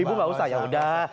ibu gak usah yaudah